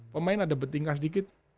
pemain ada betingkah sedikit